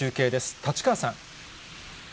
立川さん。